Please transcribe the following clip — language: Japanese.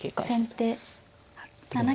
先手７九玉。